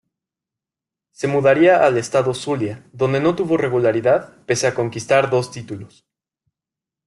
Se mudaría al estado Zulia, donde no tuvo regularidad, pese a conquistar dos títulos.